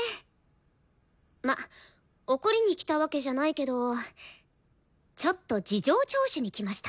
まっ怒りに来たわけじゃないけどちょっと事情聴取に来ました。